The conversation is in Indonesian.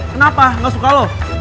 kenapa gak suka lo